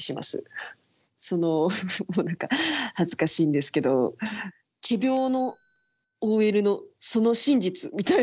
その恥ずかしいんですけど「仮病のＯＬのその真実」みたいな。